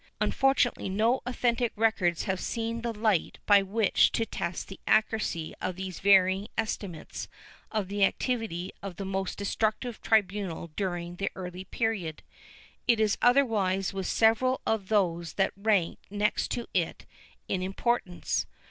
^ Unfortunately no authentic records have seen the light by which to test the accuracy of these varying estimates of the activity of the most destructive tribunal during the early period. It is other wise with several of those that ranked next to it in importance.